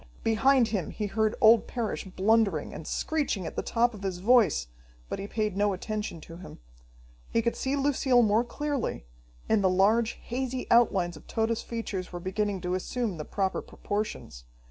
Behind him he heard old Parrish blundering, and screeching at the top of his voice, but he paid no attention to him. He could see Lucille more clearly, and the large, hazy outlines of Tode's features were beginning to assume the proper proportions.